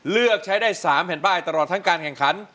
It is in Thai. เลือกใช้ได้๓แผ่นป้ายตลอดทั้งการแข่งขัน